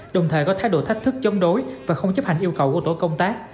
đồng thời có thái độ thách thức chống đối và không chấp hành yêu cầu của tổ công tác